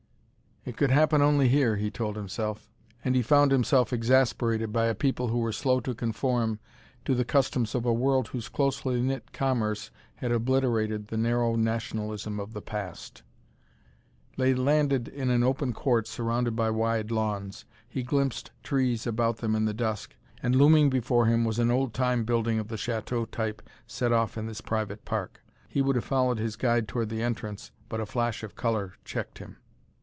"It could happen only here," he told himself. And he found himself exasperated by a people who were slow to conform to the customs of a world whose closely knit commerce had obliterated the narrow nationalism of the past. They landed in an open court surrounded by wide lawns. He glimpsed trees about them in the dusk, and looming before him was an old time building of the chateau type set off in this private park. He would have followed his guide toward the entrance, but a flash of color checked him.